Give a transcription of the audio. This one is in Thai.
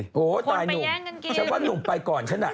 โหตายหนูฉันว่าหนูไปก่อนฉัน